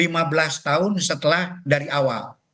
lima belas tahun setelah dari awal